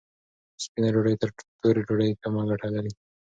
سپینه ډوډۍ تر تورې ډوډۍ کمه ګټه لري.